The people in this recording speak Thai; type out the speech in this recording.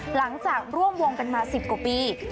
หลังจากร่วมวงกันมา๑๐กว่าปี